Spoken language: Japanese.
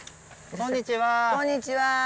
こんにちは。